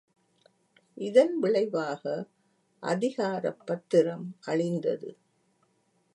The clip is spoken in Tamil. இதன் விளைவாக அதிகார பத்திரம் அழிந்தது.